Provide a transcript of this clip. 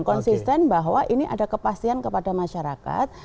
konsisten bahwa ini ada kepastian kepada masyarakat